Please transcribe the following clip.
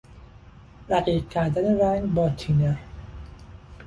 رقیق کردن رنگ با تینر